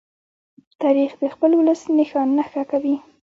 تاریخ د خپل ولس نښان نښه کوي.